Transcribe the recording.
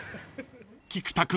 ［菊田君